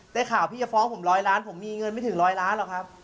ได้ข่าวพี่จะฟ้องผมร้อยล้านผมมีเงินไม่ถึงร้อยล้านหรอกครับ